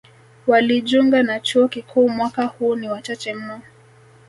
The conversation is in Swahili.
Walijunga na chuo kikuu mwaka huu ni wachache mno.